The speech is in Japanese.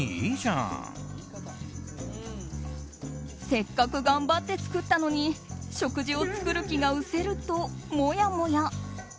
せっかく頑張って作ったのに食事を作る気が失せるともやもや。